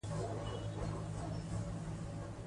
څېړنه ښيي چې د دماغ فعالیت د مایکروب ډول پورې تړاو لري.